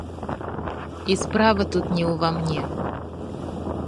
І справа тут не ўва мне.